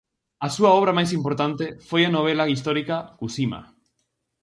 A súa obra máis importante foi a novela histórica "Cusima".